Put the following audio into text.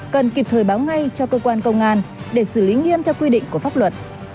cần kịp thời báo ngay cho cơ quan công an để xử lý nghiêm theo quy định của pháp luật